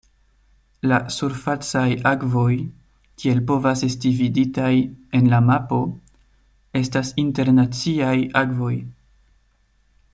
La surfacaj akvoj, kiel povas esti viditaj en la mapo, estas internaciaj akvoj.